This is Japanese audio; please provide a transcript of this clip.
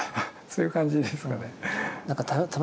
そういう感じですかね。